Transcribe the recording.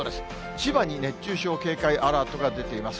千葉に熱中症警戒アラートが出ています。